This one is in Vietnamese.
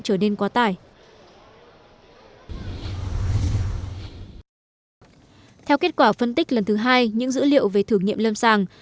trở nên quá tải theo kết quả phân tích lần thứ hai những dữ liệu về thử nghiệm lâm sàng